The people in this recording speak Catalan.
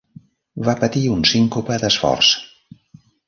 Va patir un síncope d'esforç.